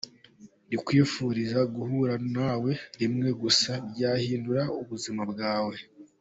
Nkwifurije guhura na we rimwe gusa byahindura ubuzima bwawe.